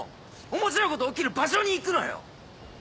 面白いこと起きる場所に行くのよ。